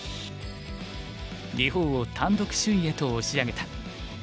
日本を単独首位へと押し上げた。